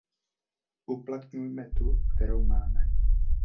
Uplatňujme tu, kterou máme.